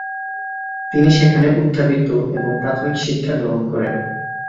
তিনি সেখানে উত্থাপিত এবং প্রাথমিক শিক্ষা গ্রহণ করেন।